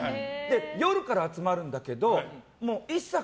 夜から集まるんだけどＩＳＳＡ